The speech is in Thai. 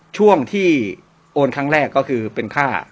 ช่วงที่โอนครั้งแรกก็คือเป็นค่า